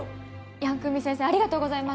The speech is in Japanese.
ヤンクミ先生、ありがとうございます。